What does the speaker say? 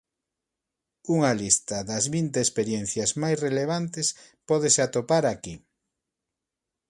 Unha lista das vinte experiencias máis relevantes pódese atopar aquí.